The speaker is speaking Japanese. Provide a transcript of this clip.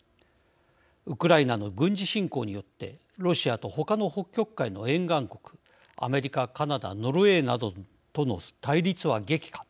ウクライナの軍事侵攻によってロシアと他の北極海の沿岸国アメリカ、カナダノルウェーなどとの対立は激化